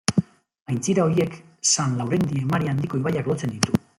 Aintzira horiek San Laurendi emari handiko ibaiak lotzen ditu.